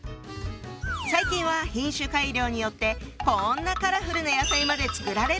最近は品種改良によってこんなカラフルな野菜まで作られるほどに。